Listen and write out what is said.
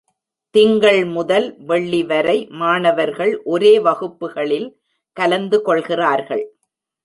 திங்கள் முதல் வெள்ளி வரை மாணவர்கள் ஒரே வகுப்புகளில் கலந்து கொள்கிறார்கள்.